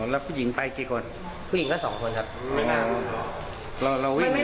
อ๋อแล้วผู้หญิงไปกี่คนผู้หญิงก็สองคนครับอ๋อ